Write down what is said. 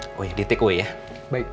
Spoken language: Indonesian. saya pesen satu chicken teriyaki sandwich